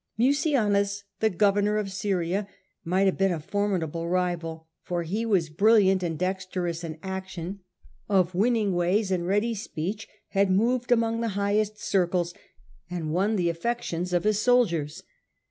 Mucianus, the governor of Syria, might have been a formidable rival, for he was brilliant and dexterous in action, of winning ways and ready speech, had moved among the highest circles, and won the affec tions of his soldiers.